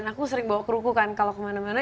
aku selalu bawa kru saya kemana mana